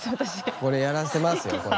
これやらせますよこれ。